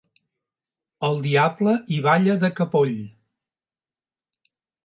El diable hi balla de capoll.